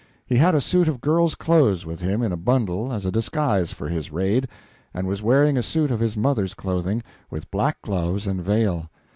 He had a suit of girl's clothes with him in a bundle as a disguise for his raid, and was wearing a suit of his mother's clothing, with black gloves and veil.